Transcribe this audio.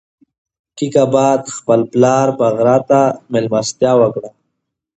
کیقباد خپل پلار بغرا خان ته مېلمستیا وکړه.